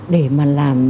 để mà làm